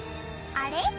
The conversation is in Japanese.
あれ？